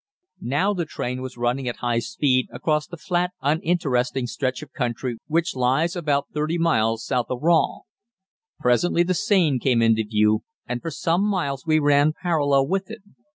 Now the train was running at high speed across the flat, uninteresting stretch of country which lies about thirty miles south of Rouen. Presently the Seine came in sight again, and for some miles we ran parallel with it.